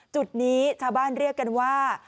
จุดนี้ชาวบ้านเรียกกันว่า